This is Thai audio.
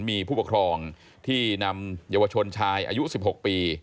มีผู้ปกครองที่นำเยาวชนชายอายุ๑๖ปี